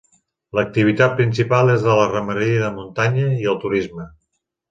L'activitat principal és la ramaderia de muntanya i el turisme.